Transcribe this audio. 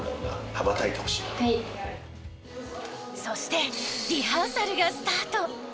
［そしてリハーサルがスタート］